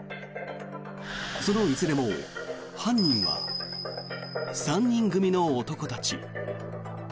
そのいずれも犯人は３人組の男たち。